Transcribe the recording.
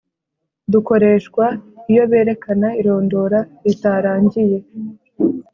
dukoreshwa iyo berekana irondora ritarangiye,